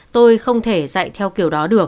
tôi không thể dạy theo kiểu đó được